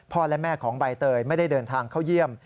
และแม่ของใบเตยไม่ได้เดินทางเข้าเยี่ยม